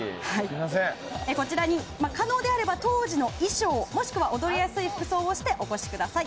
こちらに、可能でしたら当時の衣装もしくは踊りやすい服装をしてお越しください。